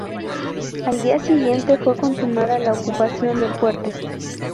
Al día siguiente fue consumada la ocupación del puerto.